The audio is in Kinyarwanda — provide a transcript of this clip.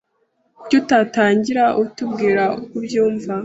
Kuki utatangira utubwira uko ubyumva?